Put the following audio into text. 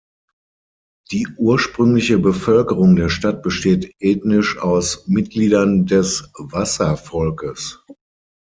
Die ursprüngliche Bevölkerung der Stadt besteht ethnisch aus Mitgliedern des Wassa-Volkes.